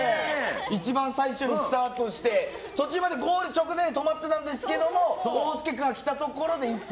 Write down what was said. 一番最初にスタートして途中までゴール直前で止まっていたんですけどおうすけ君が来たところで一歩。